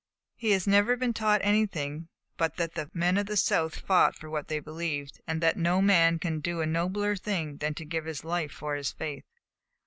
"He has never been taught anything but that the men of the South fought for what they believed, and that no man can do a nobler thing than to give his life for his faith."